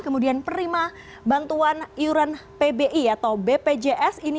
kemudian perima bantuan iuran pbi atau bpjs ini